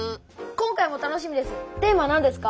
今回も楽しみです。